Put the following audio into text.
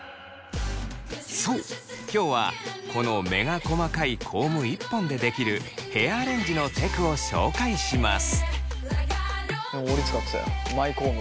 そう今日はこの目が細かいコーム１本でできるヘアアレンジのテクを紹介します。